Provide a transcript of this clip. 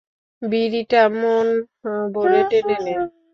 বিড়িটা মন ভরে টেনে নে।